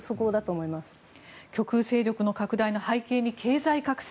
極右組織の拡大の背景に経済格差。